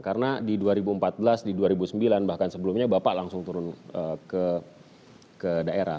karena di dua ribu empat belas di dua ribu sembilan bahkan sebelumnya bapak langsung turun ke daerah